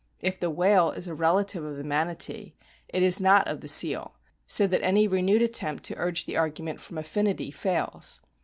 If the o whale is a relative of the manatee, it is not of the seal, so that any renewed attempt to urge the argu ment from affinity fails.